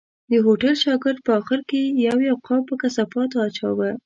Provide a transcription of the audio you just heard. د هوټل شاګرد په آخر کې یو یو قاب په کثافاتو اچاوه.